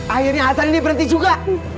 akhirnya hasan ini berhenti juga